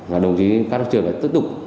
và đồng chí các trường đã tiếp tục